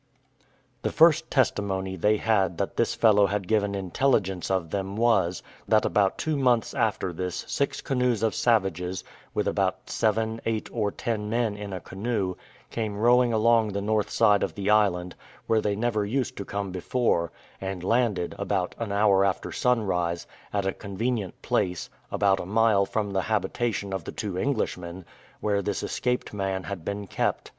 The first testimony they had that this fellow had given intelligence of them was, that about two months after this six canoes of savages, with about seven, eight, or ten men in a canoe, came rowing along the north side of the island, where they never used to come before, and landed, about an hour after sunrise, at a convenient place, about a mile from the habitation of the two Englishmen, where this escaped man had been kept.